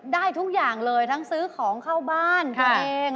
ได้ทุกอย่างเลยทั้งซื้อของเข้าบ้านตัวเอง